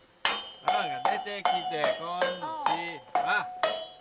でてきてこんにちは